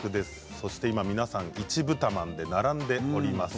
そして、皆さん１ぶたまんで並んでおります。